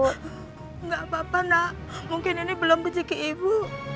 tidak apa apa nak mungkin ini belum rezeki ibu